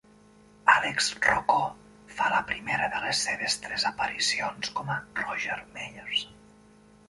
Alex Rocco fa la primera de les seves tres aparicions com a Roger Meyers.